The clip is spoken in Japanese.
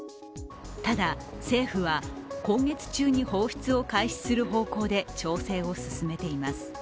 ただ政府は、今月中に放出を開始する方向で調整を進めています。